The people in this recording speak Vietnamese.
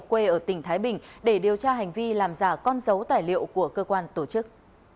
quê ở tỉnh thái bình để điều tra hành vi làm giả con dấu tài liệu của cơ quan tổ chức